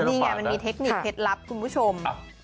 นี่ไงมันมีเทคนิคเคล็ดลับคุณผู้ชม